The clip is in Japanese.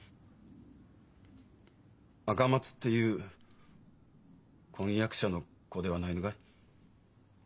赤松っていう婚約者の子ではないのがい？